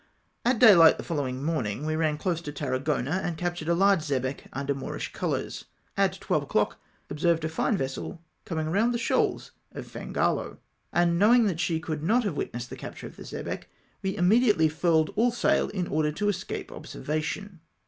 At dayhght the following mornmg we ran close to Tarragona, and captured a large xebec under Moorish colours. At twelve o'clock observed a fine vessel comins^ round the shoals of Fangalo, and knowing that she could not have witnessed the capture of the xebec we immediately furled aU sail in order to escape observa tion.